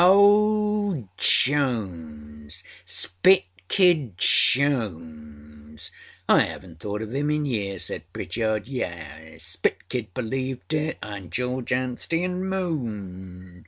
â âOh, Jones, Spit Kid Jones. I âavenât thought of âim in years,â said Pritchard. âYes, Spit Kid believed it, anâ George Anstey and Moon.